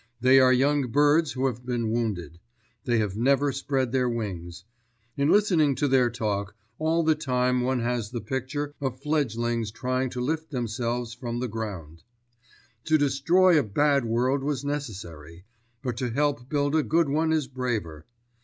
They are young birds who have been wounded. They have never spread their wings. In listening to their talk, all the time one has the picture of fledglings trying to lift themselves from the ground. To destroy a bad world was necessary; but to help build a good one is braver.